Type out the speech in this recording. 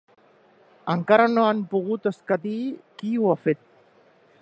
Encara no han pogut escatir qui ho ha fet.